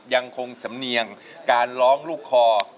ยังคงสำเนียงการร้องลูกคอ